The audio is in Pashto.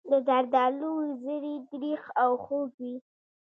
د زردالو زړې تریخ او خوږ وي.